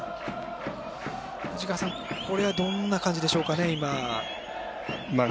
藤川さん、これはどんな感じでしょうかね、今は。